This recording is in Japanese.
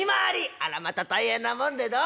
あらまた大変なもんでどうも。